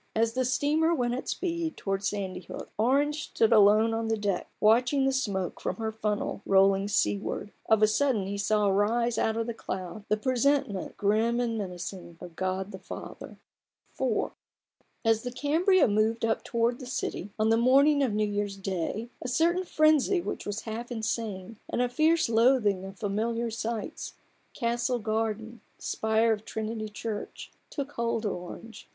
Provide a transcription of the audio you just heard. As the steamer went at speed towards Sandy Hook, Orange stood alone on the deck, watching THE BARGAIN OF RUPERT ORANGE. 47 the smoke from her funnel rolling seaward: of a sudden he saw rise out of the cloud, the presentment, grim and menacing, of God the Father, 48 A BOOK OF BARGAINS. IV As the Cambria moved up towards the city, on the morning of New Year's day, a certain frenzy which was half insane, and a fierce loathing of familiar sights — Castle Garden, the spire of Trinity Church — took hold of Orange.